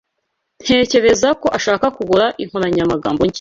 Ntekereza ko ashaka kugura inkoranyamagambo nshya.